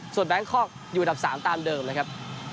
ส่วนแบงคอกอยู่อันดับ๓ตามเดิมนะครับ